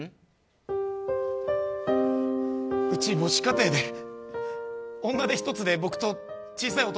うち、母子家庭で女手一つで僕と小さい弟